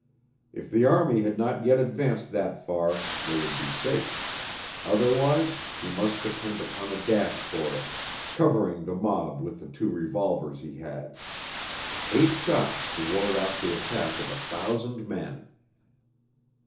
If the army had not yet advanced that far, they would be safe; otherwise he must depend upon a dash for it, covering the mob with the two revolvers he had. Eight shots to ward off the attack of a thousand men!